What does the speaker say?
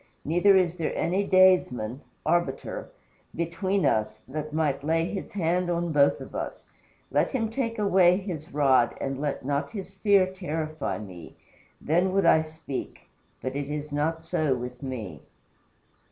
Neither is there any daysman [arbiter] between us, that might lay his hand on both of us. Let him take his rod away and let not his fear terrify me. Then would I speak; but it is not so with me."